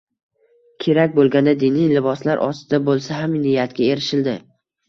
– kerak bo‘lganda diniy liboslar ostida bo‘lsa ham niyatga erishildi.